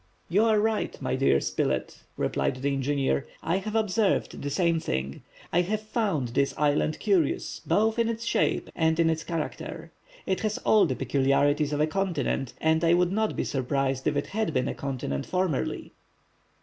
"You are right, my dear Spilett," replied the engineer, "I have observed the same thing. I have found this island curious both in its shape and in its character. It has all the peculiarities of a continent, and I would not be surprised if it had been a continent formerly."